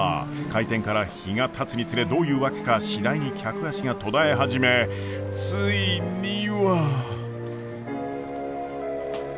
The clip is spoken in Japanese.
開店から日がたつにつれどういうわけか次第に客足が途絶え始めついには。